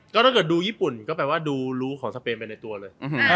ก็ถ้าเกิดดูญี่ปุ่นก็แปลว่าดูรู้ของสเปนไปในตัวเลย